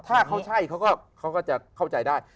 ถ้าเขาใช่เขาก็จะเข้าใจได้